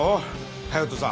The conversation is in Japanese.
隼人さん